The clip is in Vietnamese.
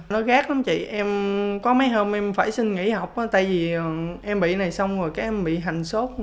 nó rác lắm chị có mấy hôm em phải xin nghỉ học tại vì em bị này xong rồi cái em bị hành sốt